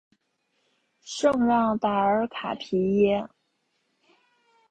圣让达尔卡皮耶。